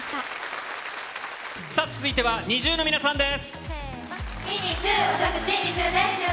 続いてはＮｉｚｉＵの皆さんです。